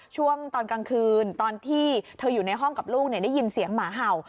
ช่วงตอนกลางคืนตอนที่เธออยู่ในห้องกับลูกได้ยินเสียงหมาเห่า